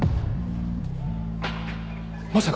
まさか！